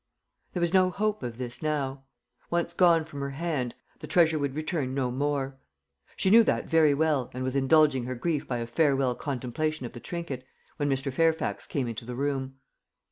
There was no hope of this now. Once gone from her hand; the treasure would return no more. She knew that very well and was indulging her grief by a farewell contemplation of the trinket, when Mr. Fairfax came into the room.